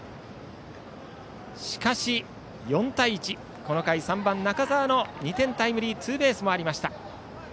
しかし、４対１この回３番、中澤の２点タイムリーツーベースがありました。